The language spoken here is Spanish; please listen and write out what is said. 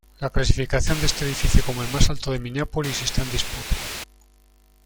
La clasificación de este edificio como el más alto de Minneapolis está en disputa.